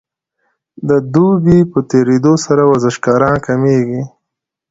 د دوبي په تیریدو سره ورزشکاران کمیږي